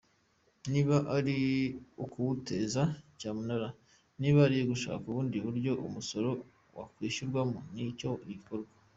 Niba ari ukuwuteza cyamunara, niba ari ugushaka ubundi buryo umusoro wakwishyurwamo, ni cyo gikorwa.